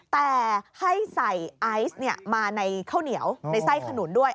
แต่ให้ใส่ไอซ์มาในข้าวเหนียวในไส้ขนุนด้วย